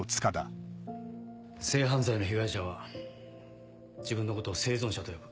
性犯罪の被害者は自分のことを「生存者」と呼ぶ。